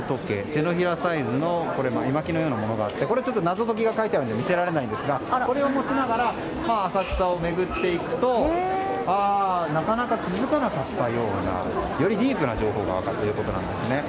手のひらサイズの絵巻のようなものがあって謎解きが書いてあるので見せられないんですがこれを持ちながら浅草を巡っていくとなかなか気づかなかったようなよりディープな情報が分かるということなんですね。